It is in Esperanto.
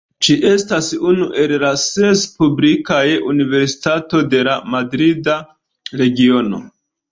Ĝi estas unu el la ses publikaj universitatoj de la Madrida Regiono.